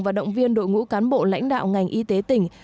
và động viên đội ngũ cán bộ lãnh đạo ngành y tế tỉnh